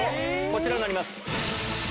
こちらになります。